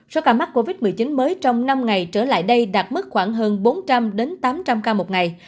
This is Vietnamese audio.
số ca mắc covid một mươi chín mới trong năm ngày trở lại đây đạt mức khoảng hơn bốn trăm linh tám trăm linh ca một ngày